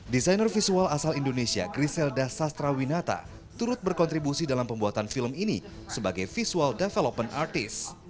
desainer visual asal indonesia griselda sastrawinata turut berkontribusi dalam pembuatan film ini sebagai visual development artist